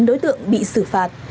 chín đối tượng bị xử phạt